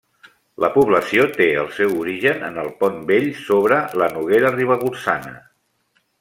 La població té el seu origen en el pont vell sobre la Noguera Ribagorçana.